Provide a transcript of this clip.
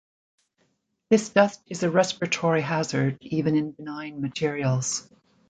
This dust is a respiratory hazard, even in benign materials.